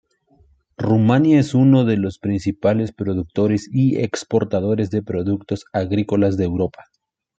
Rumania es uno de los principales productores y exportadores de productos agrícolas de Europa.